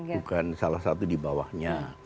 bukan salah satu di bawahnya